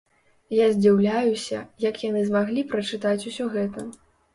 Я здзіўляюся, як яны змаглі прачытаць усё гэта.